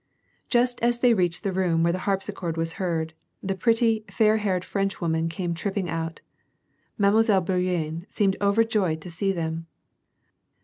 Just as they reached the room where the harpsichord was heard, the pretty, fair haired Frenchwoman came tripping out. Mile. Bourienne seemed overjoyed to see them.